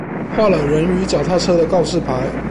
畫了人與腳踏車的告示牌